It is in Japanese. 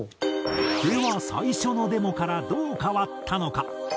では最初のデモからどう変わったのか？